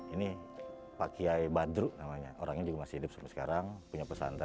ini pak kiai badru namanya orangnya juga masih hidup sampai sekarang punya pesantren